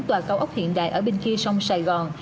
tòa cao ốc hiện đại ở bên kia sông sài gòn